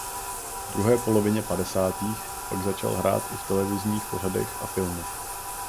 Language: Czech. V druhé polovině padesátých pak začal hrát i v televizních pořadech a filmech.